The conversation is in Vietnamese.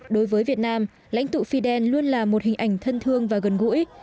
đối với việt nam lãnh tụ fidel luôn là một hình ảnh thân thương và gần gũi